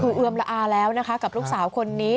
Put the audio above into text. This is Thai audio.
คือเอือมละอาแล้วนะคะกับลูกสาวคนนี้